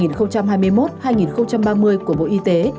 giai đoạn hai nghìn hai mươi một hai nghìn ba mươi của bộ y tế